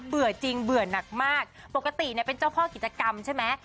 เบื่อจริงเบื่อนักมากปกติเป็นเจ้าพ่อกิจกรรมใช่ไหม